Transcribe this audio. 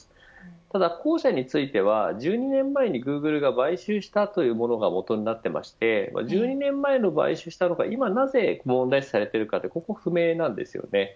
ただ後者については１２年前にグーグルが買収したというものがもとになっていまして１２年前に買収したものがなぜ今問題視されているかは不明です。